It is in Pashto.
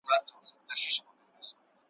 چي د حسن یې ټول مصر خریدار دی `